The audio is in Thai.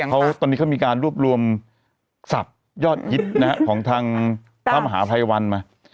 อ่ะนะครับก็ตอนนี้เขามีการรวบรวมศัพท์ยอดฮิตนะครับของทางพระมหาภัยวันมา